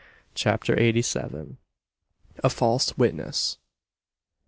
CHAPTER EIGHTY SEVEN. A FALSE WITNESS.